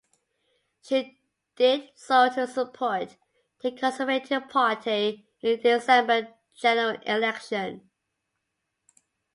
She did so to support the Conservative Party in the December general election.